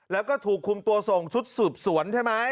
แล้วก็ถูกคุมตัวส่งชุดสืบสวนใช่ไหม